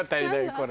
これ。